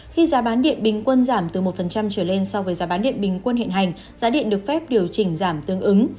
khi giá bán điện bình quân giảm từ một trở lên so với giá bán điện bình quân hiện hành giá điện được phép điều chỉnh giảm tương ứng